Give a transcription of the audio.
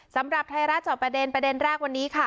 สำหรับไทยรัฐจอบประเด็นประเด็นแรกวันนี้ค่ะ